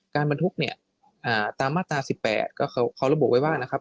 การบรรทุกตามมาตรา๑๘มันระบบไว้บ้างนะครับ